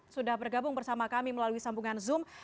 sudah bergabung bersama kami melalui sambungan zoom